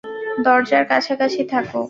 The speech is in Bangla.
দরজার কাছাকাছি থাকো!